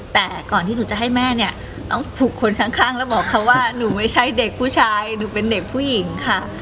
แต่ก่อนที่หนูจะให้แม่เนี่ยต้องผูกคนข้างแล้วบอกเขาว่าหนูไม่ใช่เด็กผู้ชายหนูเป็นเด็กผู้หญิงค่ะ